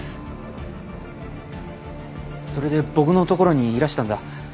それで僕の所にいらしたんだ。